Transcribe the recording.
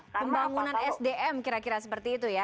pembangunan sdm kira kira seperti itu ya